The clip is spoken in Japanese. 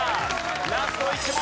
ラスト１問！